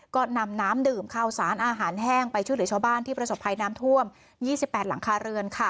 ก็นำน้ำดื่มข้าวสารอาหารแห้งไปช่วยเหลือชาวบ้านที่ประสบภัยน้ำท่วม๒๘หลังคาเรือน